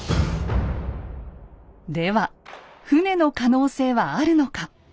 では船の可能性はあるのか。